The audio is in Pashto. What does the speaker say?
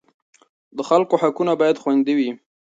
د خلکو حقونه باید خوندي وي.